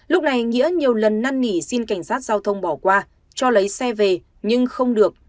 lúc này nghĩa nhiều lần năn nỉ xin cảnh sát giao thông bỏ qua cho lấy xe về nhưng không được